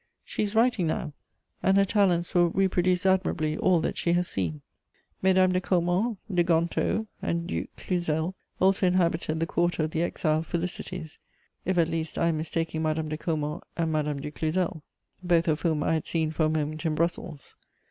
She is writing now, and her talents will reproduce admirably all that she has seen. Mesdames de Caumont, de Gontaut, and du Cluzel also inhabited the quarter of the exiled felicities, if at least I am mistaking Madame de Caumont and Madame du Cluzel, both of whom I had seen for a moment in Brussels.